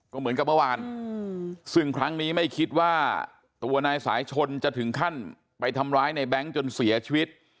ก็เหมือนกับเมื่อวานซึ่งครั้งนี้ไม่คิดว่าตัวนายสายชนจะถึงขั้นไปทำร้ายในแบงค์จนเสียชีวิต